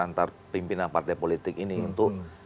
antar pimpinan partai politik ini untuk